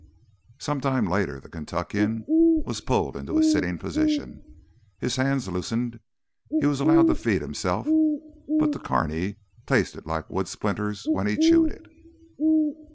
Some time later the Kentuckian was pulled into a sitting position. His hands loosened, he was allowed to feed himself, but the carne tasted like wood splinters when he chewed it.